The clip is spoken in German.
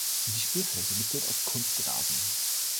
Die Spielfläche besteht aus Kunstrasen.